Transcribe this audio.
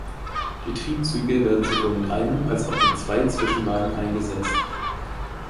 Die Triebzüge werden sowohl mit einem als auch mit zwei Zwischenwagen eingesetzt.